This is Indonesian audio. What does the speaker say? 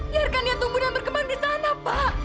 biarkan dia tumbuh dan berkembang di sana pak